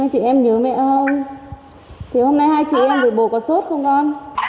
chị em nhớ mẹ không thì hôm nay hai chị em với bố có sốt không con